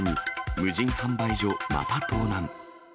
無人販売所また盗難。